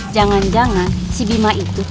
jangan jangan si bima itu